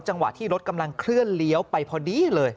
จังหวะที่รถกำลังเคลื่อนเลี้ยวไปพอดีเลย